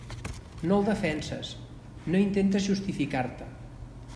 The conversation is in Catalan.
No el defenses, no intentes justificar-te.